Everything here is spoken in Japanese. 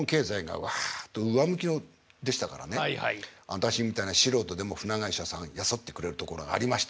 私みたいな素人でも船会社さん雇ってくれるところがありまして。